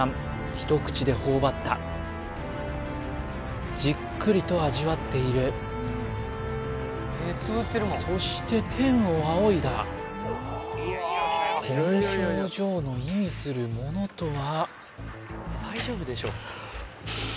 一口で頬張ったじっくりと味わっているそして天を仰いだこの表情の意味するものとは？